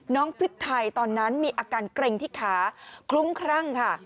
พริกไทยตอนนั้นมีอาการเกร็งที่ขาคลุ้มครั่งค่ะ